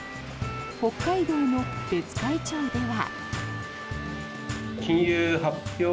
北海道の別海町では。